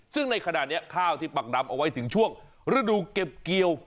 ซึ่งในขณะนี้ข้าวที่ปักดำเอาไว้ถึงช่วงฤดูเก็บเกี่ยว